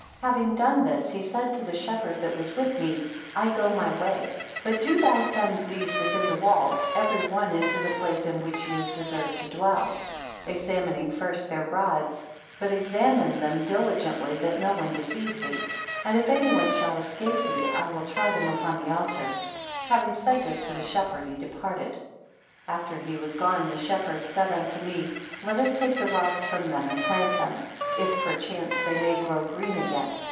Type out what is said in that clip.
15 Having done this, he said to the shepherd that was with me, I go my way; but do thou send these within the walls, every one into the place in which he has deserved to dwell; examining first their rods, but examine them diligently that no one deceive thee; and if any one shall escape thee, I will try them upon the altar. Having said this to the shepherd, he departed. 16 After he was gone, the shepherd said unto me; Let us take the rods from them, and plant them; if perchance they may grow green again.